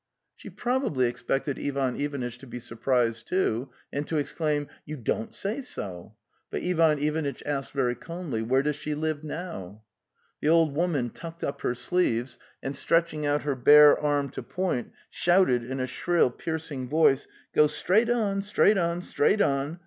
She probably expected Ivan Ivanitch to be sur prised, too, and to exclaim: '' You don't say so," but Ivan Ivanitch asked very calmly: "Where does she live now?" The old woman tucked up her sleeves and, stretch ing out her bare arm to point, shouted in a shrill piercing voice: 'Go straight on, straight on, straight on.